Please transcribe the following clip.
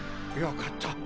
よかった。